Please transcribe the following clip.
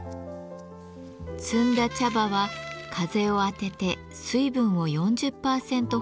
摘んだ茶葉は風を当てて水分を４０％ほど飛ばします。